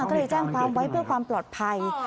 ก็เลยแจ้งความไว้เพื่อความปลอดภัย